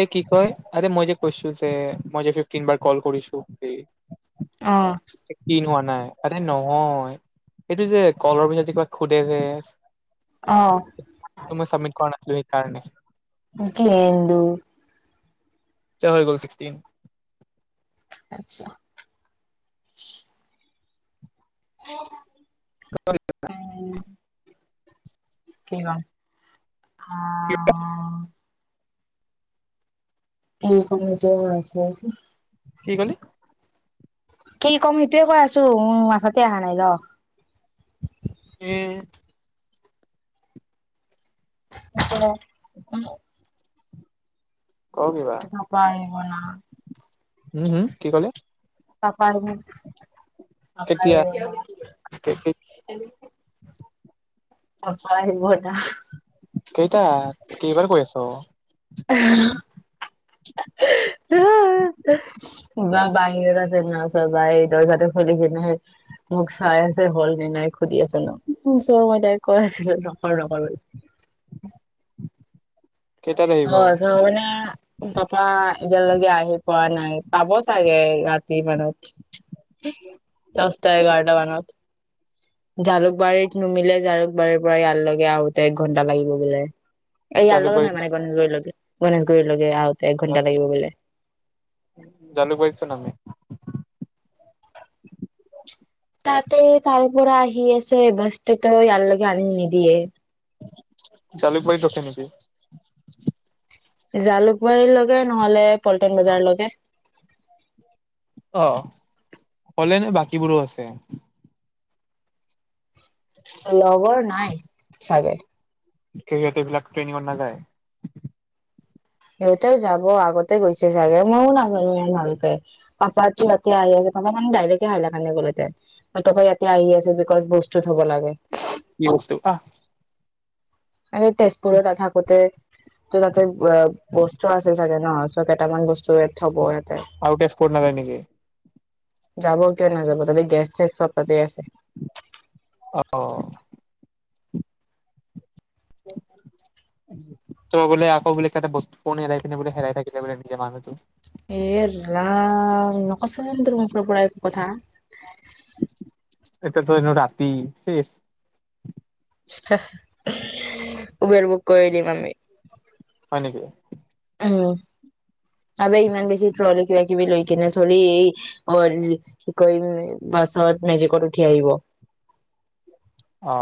এই কি কয় আৰে মই যে কৈছো যে মই যে ফিফটিন বাৰ কল কৰিছো। অ কিনু আনে। আৰে নহয় এইটো যে কলৰ পিছত কিবা খুধেজে? অ ত মই চাবমিট কৰা নাছিলোঁ। কাৰণে। কি হেৰি বুলি [unintelligible] চ গ'ল ছিক্সটিন। আত্ছা। এ [unintelligible] [unintelligible] [unintelligible] কি বাল? অ মোক মোত ৰাইছিলে। কি কলি কি ক'ম সেইটোয়ে কৈ আছোঁ মোৰ মাঠাতে অহা নাই ৰহ। উম নচলাও উ ক কিবা সেটো পাৰিব না। উম হুম কি ক'লে কেতিয়া পাৰিব অ পাপাই আহিব এতিয়া। কেইটা কেইবাৰ কৈ আছোঁ। বা বাহিৰত আছে ন বা এই দৰ্জাটো খুলি কিনে মোক চাই আছে হ'ল নে নাই সুধি আছে ন মই তাই কৈ আছিলোঁ নকৰ নকৰ বুলি। কেইটাত আহিব অ ৰসগোল্লা তাপা এতিয়ালৈকে আহি পোৱা নাই পাব চাগে ৰাতি মানত দচটা এঘাৰটা মানত। জালুকবাৰীত নুমিলে জালুকবাৰীৰ পৰা ইয়াৰ লৈকে আহোঁতে এক ঘন্টা লাগিব বোলে। এইয়া লৈকে জালুকবাৰীত নামিলে গণেশ গুৰি লৈকে গণেশগুৰি লৈকে। এক ঘণ্টা লাগিব বোলে। জালুকবাৰী চোন আমি। তাতে তাৰ পৰা আহি আছে বাছ। তে ইয়া লৈকে আনি নি দিয়ে জালুকবাৰীত ৰখে নিকি। জালুকবাৰীৰ লৈকে নহ'লে পল্টন বজাৰ লৈকে। অ হ'লে নে বাকীবোৰো আছে। লভাৰ নাই। চাগে হেৰি হঁতে এইবিলাক ট্ৰেইনিত নাযায়। সিহঁতেও যাব আগতে গৈছে চাগে ময়ো নাাজানো ইমান ভালকে। পা পা জি হতে আহি আছে। অকমান ডাইৰেক হাইলাশ ইয়াতে আহি আছে বিকজ বস্তু থ'ব লাগে। কি বস্তু তেজপুৰত ত থাকোঁতে ত তাতে বস্তু আছে চাগে নহ। কেইটামান বস্তুৰেয়ই থ'ব ইয়াত। আৰু তেজপুৰ নাযায় নেকি। যাব কিয় নাযাব তাতে গেছ চেছ চব তাতে আছে। অ তই বোলে আকৌ বোলে কিবা এটা বস্তু খন হেৰাই পিনে বোলে হেৰাই থাকিলে বোলে নিজে মানুহটো। এ ৰাম নকয ছে তাৰ মুখৰ পৰা কথা পৰা এক কথা এতিয়াতো ৰাতি উবেৰ বুক কৰি দিম আমি হয় নেকি উ তব ইমান বেছি ট্ৰলী কিবা কিবি লৈ কিনে ধৰি এই কি ক বাছত মেজিকত উঠি আহিব অ।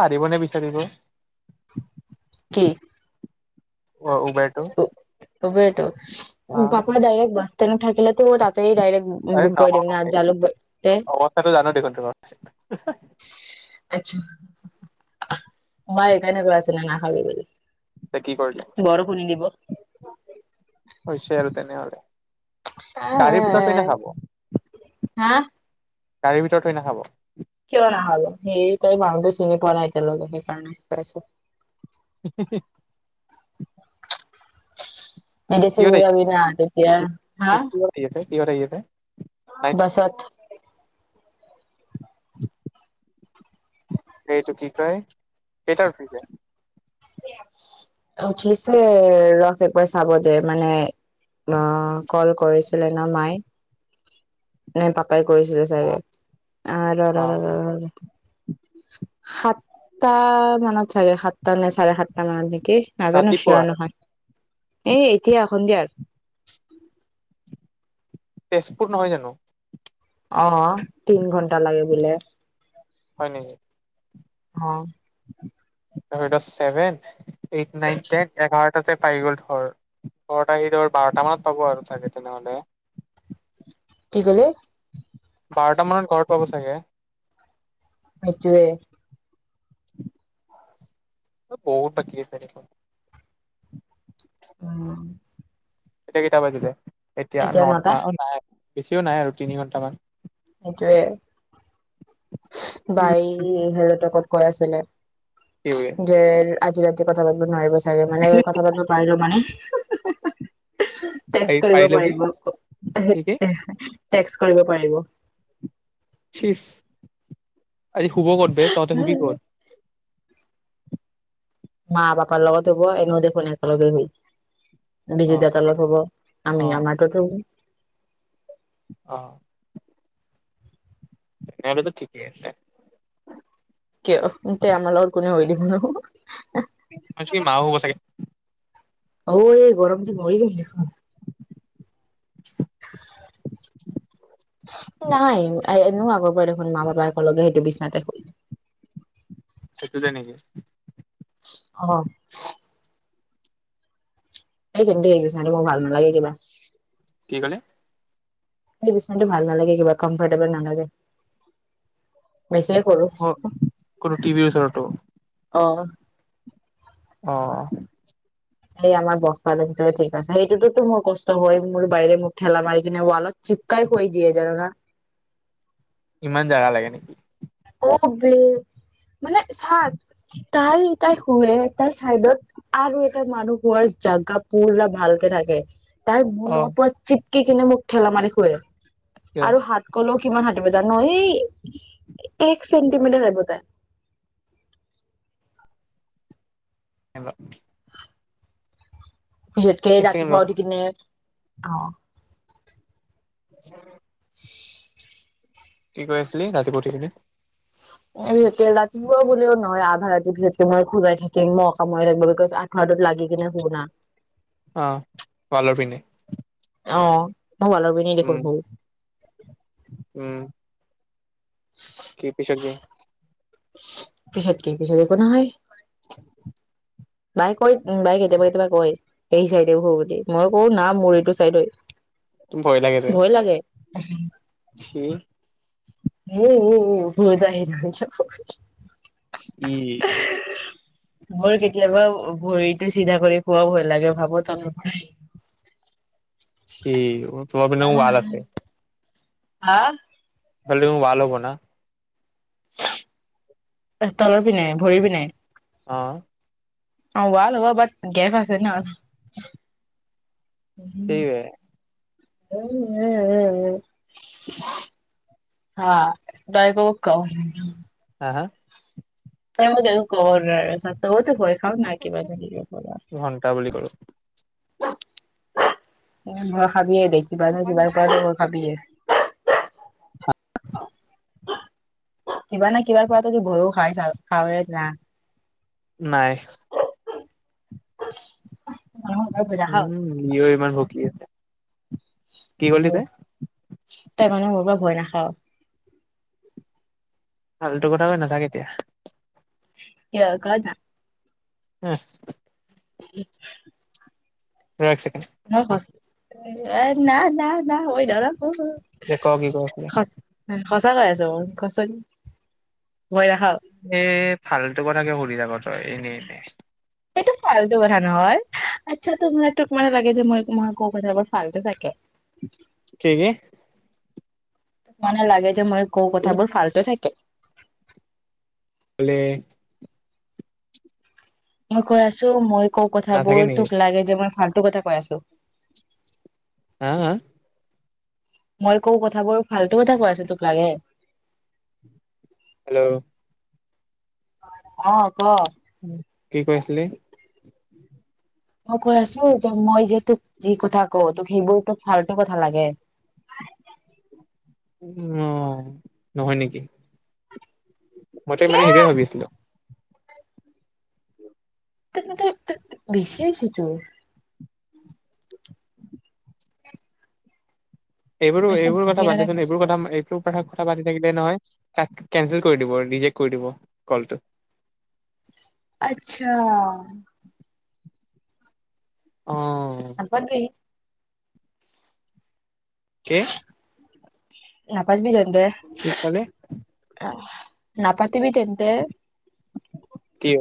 পাৰিবনে বিচাৰিব কি অ উবেৰতো উবেৰতো উ কাপ্পা ডাইৰেকট বাছ তাতে থাকিলে তাতেই ডাইৰেক আৰে বুক কৰি দিম ন নহয় জালুক বাৰী তে অৱস্থাটো [unintelligible] আচ্ছা বাই সেকাণৰে কৈ আছিলো নাহ বুলি এতিয়া কি কৰিলে বৰষুণ নিদিব হৈছে আৰু তেনেহ'লে, গাড়ীৰ ভিতৰত থৈ এনেইখাব। হা', গাড়ীৰ ভিতৰত থৈ নাখাব। কিয় নাখাব? হেৰি তই মানুহটো চিনি পোৱা নাই এতিয়ালৈকে সেইকাৰণে পাইছো। হি হি মেডিচেন উলিৱাবি না তেতিয়া হা কিহঁত আহি তই অহ', বাছত। [unintelligible] সেইটো কি কয় কেইটা উঠিছে? উঠিছে ৰহ', একবাৰ চাব দে মানে, অ', কল কৰিছো। বেলেগ ন মাই নে', পা, তাই', কৰিছিলে অ চাগে অহ' -ৰ' - অ ৰ' - ৰ'- ৰ' সাতটা মানত চাগে, সাতটা নে চাৰে-সাতটা মান, কি', নাজানো ৰাতিপুৱা চিয়ৰ নহয়। এ', এতিয়া সন্ধিয়া। তেজপুৰ নহয় জানো? অ', তিন-ঘণ্টা লাগে বোলে। হয়', নেকি। অ', আৰু এটা ছেভেন, এইট, নাইন, টেন, এঘাৰ তাতে পাই গ'ল ধৰ। ঘৰত আহি ধৰ বাৰটা মানত পাব আৰু চাগে তেনেহ'লে। কি কলি বাৰটা মানত ঘৰত, পাব চাগে। সেইটোৱে। বহুত বাকি আছে সেইখন, উম', এতিয়া কেইটা বাজিলে? এতিয়া নটা নাই', বেছিও নাই আৰু তিনি-ঘণ্টামান। সেইটোৱে উম। বাঢ়ি হেলৌ তকত, কৈ আছিলে, কি বোলে যেন, ' আজি ৰাতিপুৱা [unintelligible] নোৱাৰিব চাগে মানে কথা পাতিব নোৱাৰিলোঁ মানে টেচ পাৰি কৰিব পাৰিলে কি পাৰিব কি কি [unintelligible] টেক্স কৰিব পাৰিব। চিচ ঐশুব বাদ দে তহতে শুবি ক'ত মা, পাপাৰ লগতে শুৱে এনে দেখোন একেলগে শুৱ অ বিজু দাদা লগত শুৱ, অ আমি আমাৰ তোতে শুম অ এটোটো ঠিকেই আছে [unintelligible] আজি কি মাও শুৱ চাগে অঔ এই গৰম তো বহুত নাই এনেও আগৰ পৰা দেখোন মা পাপাই সেইটো বিচনাতে শুৱে। সেইটোটে নেকি? অৱ [unintelligible] চালে মোৰ ভাল নালাগে কিবা। মানে সেই বিছনাটো ভাল নালাগে কিবা কমফৰ্টেবল নালাগে। বেছি এই কলো অ কোনো টিভিৰ ওচৰতো অৱ অৱ সেই আমাৰ বস পালেং তোৱে ঠিক আছে সেইটোততো মোৰ কষ্ট হয়, মোৰ বাইৰে মোৰ ঠেলা মাৰি কিনে ওৱালত চিপকাই হৈ দিয়ে যানানে। ইমান জাগা লাগে নেকি। [unintelligible] তাই তাই শুৱে চাইডত আৰু এটা মানুহ শুৱাৰ জাগা পুৰৰা ভালকে থাকে। মূৰ অ লগত পোৰা চিপকি কিনে মোক ঠেলামাৰি শুৱে। কিয়? আৰু হাত কলত কিমান হাটিব জানো এই এক চেণ্টিমিটাৰ ৰিবতে। হ পিছতকে এক ছেকেণ্ড ৰ ৰাতিপুৱা উঠি কিনে, অ। [unintelligible] উ [unintelligible] কি কৈ আছিলি, ৰাতিপুৱা উঠি কিনে? স ৰাতিপুৱা বুলও নহয় আধা ৰাতিৰ পিছত তোমই খোজাই থাকিম মই কাময় থাকিব বিকজ হদত লাগি কিনে হওনা? অ ৱালৰ পিনে অ ম ভালবিন দেখোন উম। হুও উম পিছে তুমি পিছাদ কি পিছত একো নহয়। [unintelligible] বাই কয়, বাই কেতিয়াবা-কেতিয়াবা কয় এই চাইডেওোৰ বুলি মই কওঁ না মোৰ এইটো চাইডই। ভৈ লাগে বে। উম উ শু-শু-শু মোৰত [unintelligible] ই মোৰ কেতিয়াবা ভৰিতটো চিধা কৰি খোৱা ভয় লাগে ভাবো ত চি তোমাৰ ফালে ভাল আছে। হা? কালিও ৱাল হব ন? তলৰ পিননে ভৰি পিনে? অহ ৱাল হব বাত গেপ আছে ন? সোৱে [unintelligible] উ-উ-উ-উ দৰপক কম। হা? তাই মোক [unintelligible] তাৰ [unintelligible] তৈও টো ভয় খাও না কিবা এটা কৰাৰ পৰা। ঘন্টা বুলি কলো অহ ভই খাবিয়ে। কিবা নহৈ কিবা টো টো তই ভই খবিয়ে। কিবা না কিবাৰ পৰা টুটু ভই খাই যাওঁ, খাওঁৰে না? নাই [inaudible] ভয় নাখাও উম নয় ইমান বকি আছে। কি কলি হয় তই তাৰ মানে মোৰ পৰা ভয় নাখাও। ফাল্টু কথা কৈ নাথাক এতিয়া কিয় কনা হুম উম ৰ এক ছেকেণ্ড না না না ন মই নলও ঔ দে ক কি কৈ আছিলি সঁচা কচা কছ ম কচ [unintelligible] ভয় নাখাঅ এ ফাল্টু কথাকে কিঅ শুধি থাক এনে এনে এইটো ফাল্টু কথা নহয় আচ্ছা তোমাৰোক মানে লাগে যে মই তোমাৰ ক কথাবোৰ ফাল্টু থাকে। কি। মানে লাগে যে মই কৌ কি কথাবোৰ ফাল্ট থাকে। লে মই কৈ আছো মই কৌ নাথাকে কথাবোৰ নেকি তোক লাগে যে মোৰ ফা টো কথা কৈ আছো। হা আ মই কওঁ কথাবোৰ ফাল্টু কথা কৈ আছো তোক লাগে। হেল্ল' অঁ কি কৈ আছিলি। মই কৈ আছো যে মই যে তোক যি কথা কওঁ তোক সেইবোৰ তোক ভাল্টু কথা লাগে। উম অ নহয় নেকি। মইতো ইমান দিন এইটো ভাবি আছিলো। ত বিছে হৈছে তোৰ এইবোৰো বেছি এইবোৰ কথা বুগে বাদ লগা দেছোন এইবোৰ হৈছে। কথা এইবোৰ কথা কথা পাতি থাকিলে নহয় কেন্সল কৰি দিব ৰিজেক্ কৰি দিব কলটো আচ্ছা অ আপত্তি কে নাপাজবি য দেহ কলে নাপাতিবি তেন্তে কি হ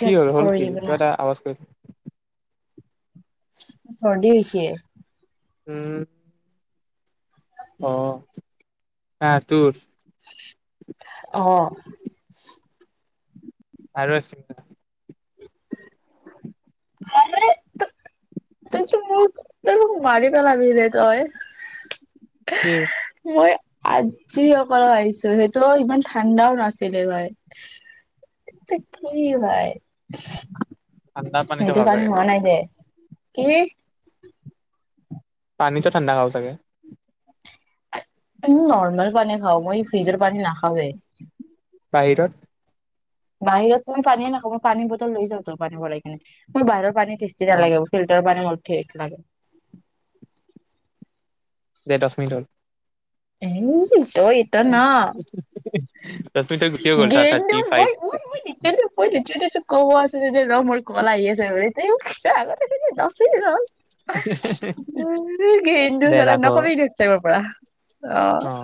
কি হ'ল হ'ল কৰি কি দিব কিবা না এটা আৱাজ কৰি চৰ্দি হৈছে উম অহ অহ কাৰ তোৰ আহ আৰু আছিল হয় ত ত মোক ত মোক মাৰি পেলাবি ৰে তই এই মই আজি অকল আহিছো সেই ত ইমান ঠাণ্ডাও নাছিলে ভাই কি ভাই [unintelligible] পানীটো ইটো পানীত খাব চাগে আমি হোৱা নাই যে কি পানীটে ঠাণ্ডা হল চাগে নৰ্মেল পানী হ মই ফ্ৰিজৰ পানী নাখাওঁ হ বাহিৰত বাহিৰত মই পানীয়ে নাখাও মই পানী বটল লৈ যাওঁ ত পানী ভৰাই কিনে মই বাহিৰৰ পানী টেষ্টি নালাগে ফিলটাৰ পানী ফেক লাগে দে দশ মিনিট হল উম ইটো ইটো ন উ গেন্দু মই মই লিট্ৰেলি লিট্ৰেলি ক'ব আছিলে যে ৰহ মোৰ কল আহি আছে বুলি আগতে কলি দছ মিনিট ৰহ জন্দ দে চলা ৰাখ নকবি দি চৰ পৰা অ